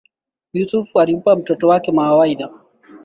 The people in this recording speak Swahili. Yusuf alimpa mtoto wake mawaidha